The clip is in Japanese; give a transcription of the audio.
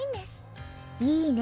いいね